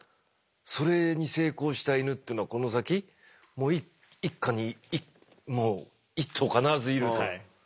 それに成功したイヌというのはこの先一家にもう一頭必ずいるという。